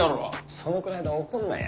そのくらいで怒んなや。